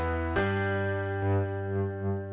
tidak ada yang mau menagihkan